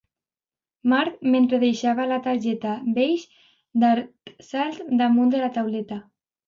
Marc mentre deixava la targeta beix d'Art-Sal damunt de la tauleta.